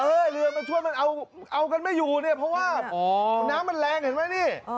เรือมาช่วยมันเอากันไม่อยู่เนี่ยเพราะว่าน้ำมันแรงเห็นไหมนี่